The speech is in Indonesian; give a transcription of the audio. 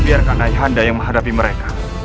biarkan ayah anda yang menghadapi mereka